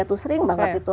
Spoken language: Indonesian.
itu sering banget itu